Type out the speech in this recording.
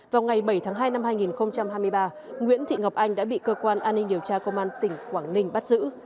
vào ngày bảy tháng hai năm hai nghìn hai mươi ba nguyễn thị ngọc anh đã bị cơ quan an ninh điều tra công an tỉnh quảng ninh bắt giữ